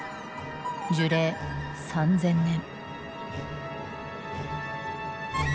樹齢３，０００年。